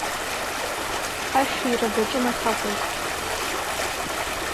Ашәира даҿын аҭакәажә.